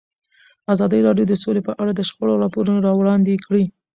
ازادي راډیو د سوله په اړه د شخړو راپورونه وړاندې کړي.